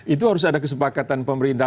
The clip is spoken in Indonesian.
itu harus ada kesepakatan pemerintah